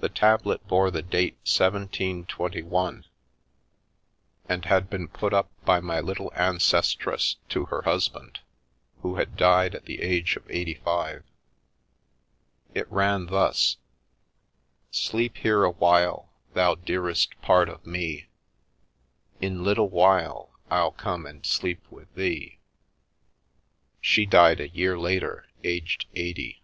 The tablet bore the date 172 1, and had been put up 187 The Milky Way by my little ancestress to her husband, who had died at the age of eighty five. It ran thus: — "Sleep here awhile, Thou dearest Part of Me * In little while , I'll come and sleep with Thee." She died a year later, aged eighty.